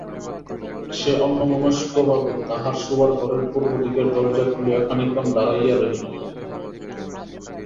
সে অন্যমনস্কভাবে তাহার শোবার ঘরের পূর্ব দিকের দরজা খুলিয়া খানিকক্ষণ দাঁড়াইয়া রহিল।